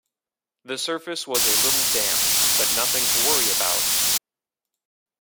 The surface was a little damp, but nothing to worry about.